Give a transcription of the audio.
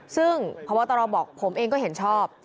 ซึ่งพบตรบอกผมเองก็เห็นชอบ